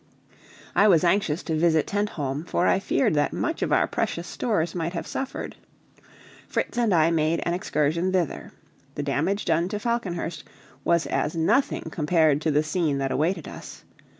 I was anxious to visit Tentholm, for I feared that much of our precious stores might have suffered. Fritz and I made an excursion thither. The damage done to Falconhurst was as nothing compared to the scene that awaited us.